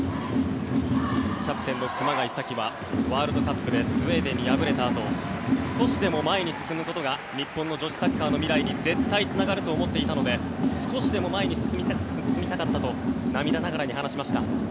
キャプテンの熊谷紗希はワールドカップでスウェーデンに敗れたあと少しでも前に進むことが日本の女子サッカーの未来に絶対つながると思っていたので少しでも前に進みたかったと涙ながらに話しました。